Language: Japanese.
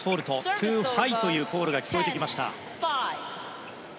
トゥーハイというコールが聞こえてきました。